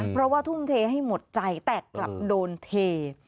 เพราะว่าทุ่มเทให้หมดใจแต่กลับโดนเท